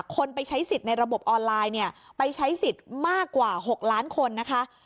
คนไปใช้สิทธิ์ในระบบออนไลน์เนี่ยไปใช้สิทธิ์มากกว่า๖ล้านคนนะคะ